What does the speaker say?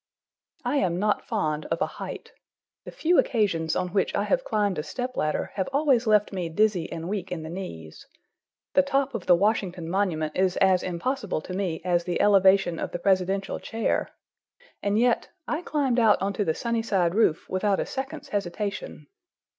I am not fond of a height. The few occasions on which I have climbed a step ladder have always left me dizzy and weak in the knees. The top of the Washington monument is as impossible to me as the elevation of the presidential chair. And yet—I climbed out on to the Sunnyside roof without a second's hesitation.